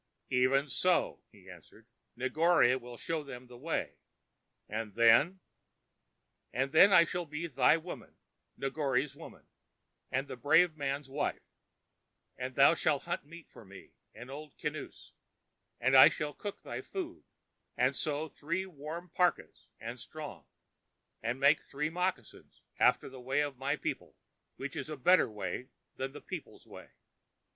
"Even so," he answered. "Negore will show them the way. And then?" "And then I shall be thy woman, Negore's woman, the brave man's woman. And thou shalt hunt meat for me and Old Kinoos, and I shall cook thy food, and sew thee warm parkas and strong, and make thee moccasins after the way of my people, which is a better way than thy people's way.